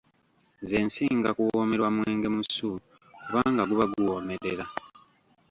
Nze nsinga kuwoomerwa mwenge musu kubanga guba guwoomerera.